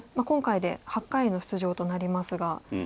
今回で８回の出場となりますが。